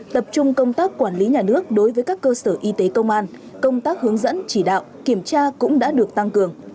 tập trung công tác quản lý nhà nước đối với các cơ sở y tế công an công tác hướng dẫn chỉ đạo kiểm tra cũng đã được tăng cường